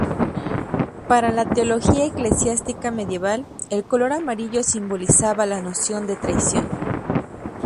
Para la teología eclesiástica medieval, el color amarillo simbolizaba la noción de traición.